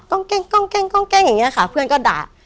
ก้องเก้งก้องเก้งก้องเก้งอย่างนี้ค่ะเพื่อนก็ด่า